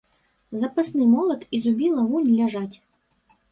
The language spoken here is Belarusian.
Запасны молат і зубіла вунь ляжаць.